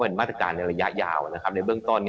เป็นมาตรการในระยะยาวในเบื้องต้น